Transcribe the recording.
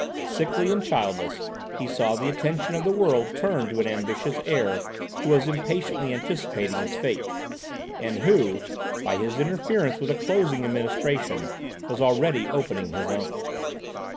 Sickly and childless he saw the attention of the world turned to an ambitious heir who was impatiently anticipating his fate; and who, by his interference with the closing administration, was already opening his own.